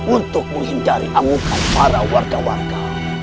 untuk menghindari amukan para warga warga